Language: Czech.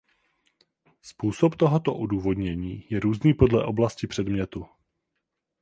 Způsob tohoto odůvodnění je různý podle oblasti předmětu.